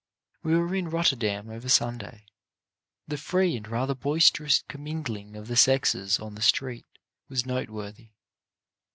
We were in Rotterdam over Sunday. The free and rather boisterous commingling of the sexes on the street was noteworthy.